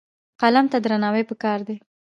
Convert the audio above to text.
قلم ته درناوی پکار دی.